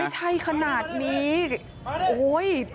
ไม่ใช่ขนาดนี้โอ๊ย